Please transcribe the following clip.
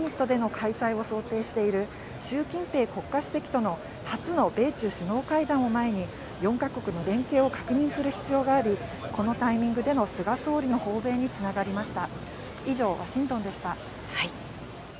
また調整は難航してますがまた、バイデン大統領は１０月末のＧ２０サミットでの開催を想定している習近平国家主席との初の米中首脳会談を前に４か国の連携を確認する必要がありこのタイミングでの菅総理の訪米につながりました。